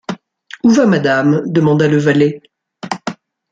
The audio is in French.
Où va madame? demanda le valet.